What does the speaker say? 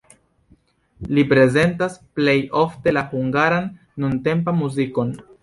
Li prezentas plej ofte la hungaran nuntempan muzikon.